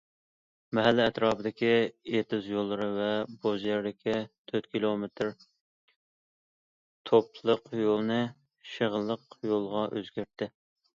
مەھەللە ئەتراپىدىكى ئېتىز يوللىرى ۋە بوز يەردىكى تۆت كىلومېتىر توپىلىق يولنى شېغىللىق يولغا ئۆزگەرتتى.